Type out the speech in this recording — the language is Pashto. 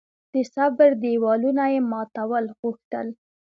د صبر دېوالونه یې ماتول غوښتل.